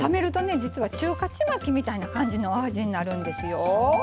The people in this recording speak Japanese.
実は中華ちまきみたいな感じのお味になるんですよ。